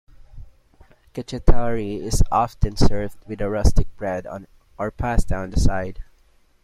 "Cacciatore" is often served with a rustic bread or pasta on the side.